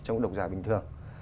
trong độc giả bình thường